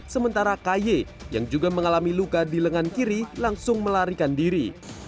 sementara ky yang juga mengalami luka di lengan kiri langsung melarikan diri